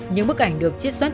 những bức ảnh được chiết xuất